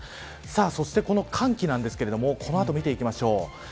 そして寒気ですがこの後、見ていきましょう。